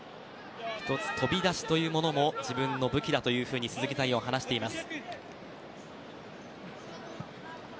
飛び出しというものも自分の武器だというふうに鈴木彩艶は話しています。